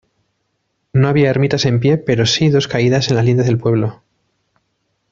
No había ermitas en pie pero si dos caídas en las lindes del pueblo.